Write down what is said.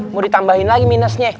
mau ditambahin lagi minusnya